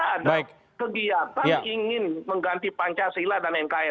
ada kegiatan ingin mengganti pancasila dan nkri